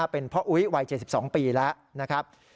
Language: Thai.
เป็นพ่ออุ๊ยวัย๗๒ปีแล้วนะครับ